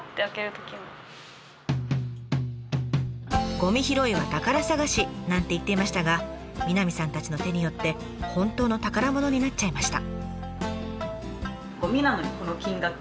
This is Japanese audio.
「ゴミ拾いは宝探し」なんて言っていましたが南さんたちの手によって本当の宝物になっちゃいました。